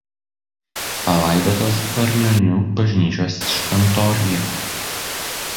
Palaidotas Varnionių bažnyčios šventoriuje.